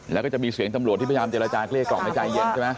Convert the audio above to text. แล้วก็จะมีเสียงตำรวจที่พยายามเจรจาเกลี้ยกล่อมให้ใจเย็นใช่ไหม